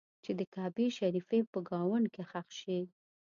چې د کعبې شریفې په ګاونډ کې ښخ شي.